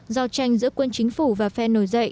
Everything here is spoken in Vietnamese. giao tranh giữa quân chính phủ và phe nổi dậy